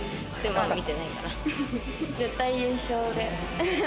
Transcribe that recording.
絶対優勝で。